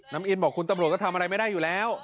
อินบอกคุณตำรวจก็ทำอะไรไม่ได้อยู่แล้ว